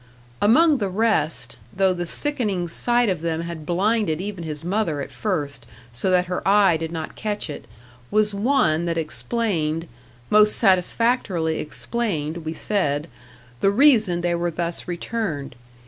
Among the rest though the sickening sight of them had blinded even his mother at first, so that her eye did not catch it, was one that explained most satisfactorily explained, we said the reason they were thus returned.